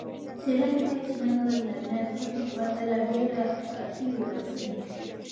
څیړنې ښيي چې نن ورځ نارینه د ښځو په پرتله ډېره کافي څښي.